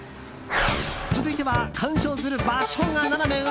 続いては観賞する場所がナナメ上。